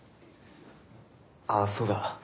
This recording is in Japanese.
ああそうだ。